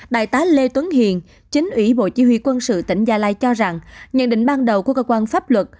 đại tá lê tuấn hiền chính ủy bộ chỉ huy quân sự tỉnh gia lai cho rằng nhận định ban đầu của cơ quan pháp luật